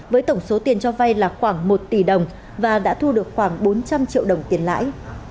với tổng số tiền cho vay là khoảng một tỷ đồng và đã thu được khoảng bốn trăm linh triệu đồng tiền lãi